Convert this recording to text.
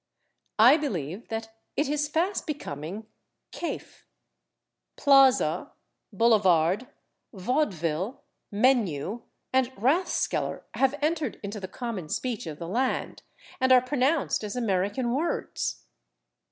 I believe that it is fast becoming /kaif/. /Plaza/, /boulevard/, /vaudeville/, /menu/ and /rathskeller/ have entered into the common speech of the land, and are pronounced as American words.